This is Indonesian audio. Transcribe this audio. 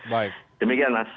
baik demikian mas